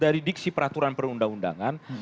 di dikisi peraturan perundang undangan